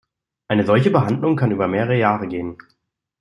Eine solche Behandlung kann über mehrere Jahre gehen.